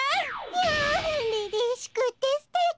・やんりりしくてすてき。